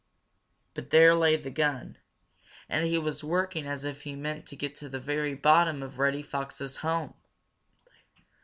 But there lay the gun, and he was working as if he meant to get to the very bottom of Reddy Fox's home!